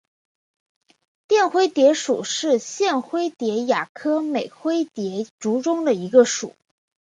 绽灰蝶属是线灰蝶亚科美灰蝶族中的一个属。